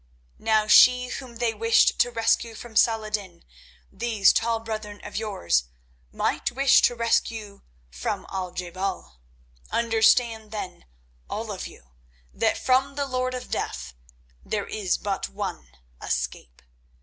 Now she whom they wished to rescue from Salah ed din, these tall brethren of yours might wish to rescue from Al je bal. Understand then, all of you, that from the Lord of Death there is but one escape.